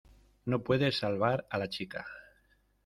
no puede salvar a la chica.